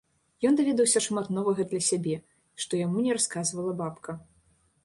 Ён даведаўся шмат новага для сябе, што яму не расказвала бабка.